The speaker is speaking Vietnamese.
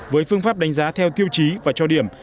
với phương pháp đánh giá theo tiêu chí và cho điểm